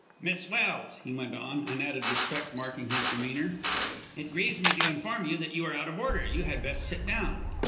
"Miss Welse," he went on, an added respect marking his demeanor, "it grieves me to inform you that you are out of order. You had best sit down."